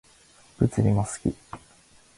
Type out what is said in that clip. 物理も好き